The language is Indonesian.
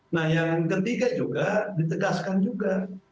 nah yang ketiga juga ditegaskan juga